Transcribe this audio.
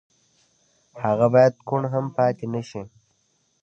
هغه بايد کوڼ هم پاتې نه شي.